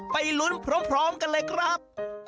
ไปลุ้นพร้อมกันเลยครับ